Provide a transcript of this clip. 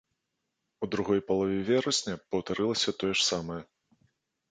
У другой палове верасня паўтарылася тое ж самае.